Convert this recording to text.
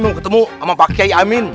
mau ketemu sama pak kiai amin